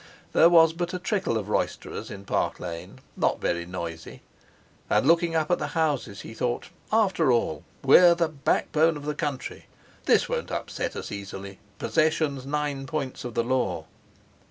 There was but a trickle of roysterers in Park Lane, not very noisy. And looking up at the houses he thought: "After all, we're the backbone of the country. They won't upset us easily. Possession's nine points of the law."